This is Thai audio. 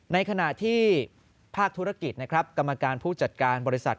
ในขณะที่ภาคธุรกิจนะครับกรรมการผู้จัดการบริษัท